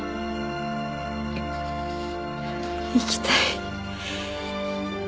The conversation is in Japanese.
生きたい。